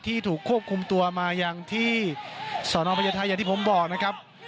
ที่ถูกควบคุมตัวมาอย่างที่สนพญาไทยนะครับ